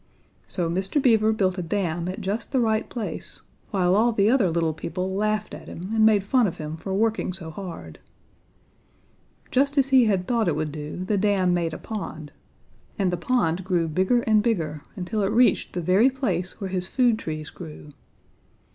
"So Mr. Beaver built a dam at just the right place, while all the other little people laughed at him and made fun of him for working so hard. Just as he had thought it would do, the dam made a pond, and the pond grew bigger and bigger, until it reached the very place where his food trees grew.